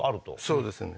そうですね